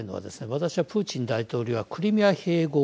私はプーチン大統領はクリミア併合